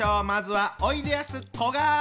まずはおいでやすこが！